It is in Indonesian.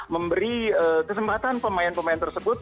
memberi kesempatan pemain pemain tersebut